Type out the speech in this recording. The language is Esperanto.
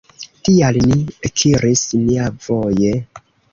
Tial ni ekiris niavoje.